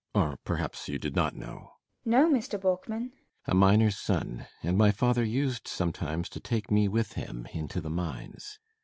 Or perhaps you did not know? FRIDA. No, Mr. Borkman. BORKMAN. A miner's son. And my father used sometimes to take me with him into the mines.